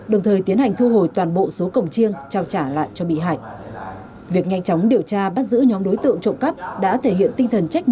đồng thời tiến hành thu hồi tội trộm cắp và cướp tài sản